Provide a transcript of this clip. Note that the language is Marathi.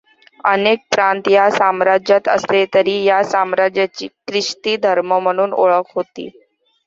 अनेक प्रांत या साम्राज्यात असले तरी या साम्राज्याची ख्रिस्ती धर्म म्हणून ओळख होती.